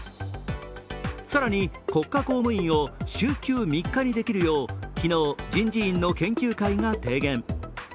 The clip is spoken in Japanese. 更に、国家公務員を週休３日にできるよう昨日、人事院の研究会が提言。